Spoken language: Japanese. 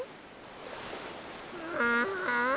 ああ。